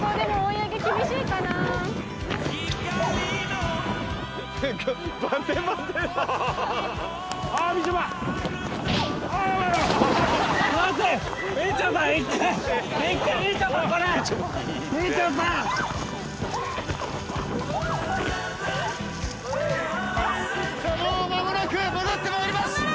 もう間もなく戻ってまいります。